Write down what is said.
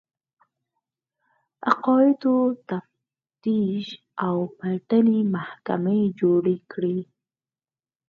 عقایدو تفتیش او پلټنې محکمې جوړې کړې